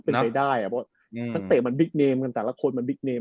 เพราะว่านักเตะมันบริกเนมแต่ละคนมันบริกเนม